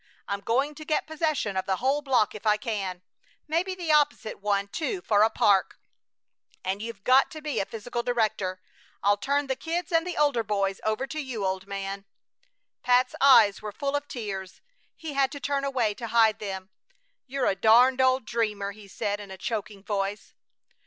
"I'm going to get possession of the whole block if I can; maybe the opposite one, too, for a park, and you've got to be physical director! I'll turn the kids and the older boys over to you, old man!" Pat's eyes were full of tears. He had to turn away to hide them. "You're a darned old dreamer!" he said, in a choking voice.